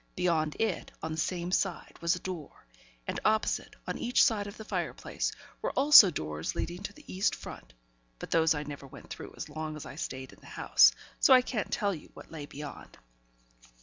Beyond it, on the same side, was a door; and opposite, on each side of the fire place, were also doors leading to the east front; but those I never went through as long as I stayed in the house, so I can't tell you what lay beyond.